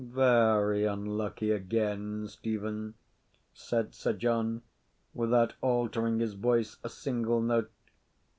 "Very unlucky again, Stephen," said Sir John, without altering his voice a single note.